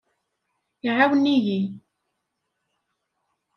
Iɛawen-iyi.